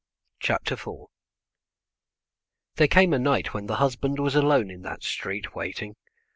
A Night Piece There came a night when the husband was alone in that street waiting.